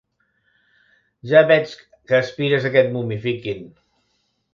Ja veig que aspires a que et momifiquin.